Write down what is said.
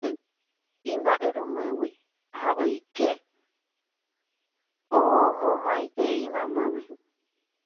Oguejy imba'yrúgui ha oike omomaitei mamáme.